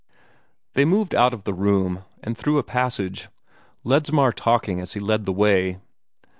They moved out of the room, and through a passage, Ledsmar talking as he led the way.